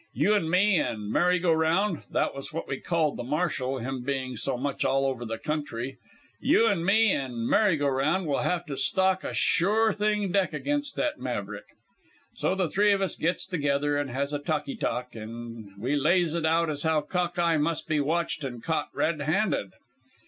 You an' me an' 'Mary go round' that was what we called the marshal, him being so much all over the country 'you an' me an' Mary go round will have to stock a sure thing deck against that maverick.' "So the three of us gets together an' has a talky talk, an' we lays it out as how Cock eye must be watched and caught red handed.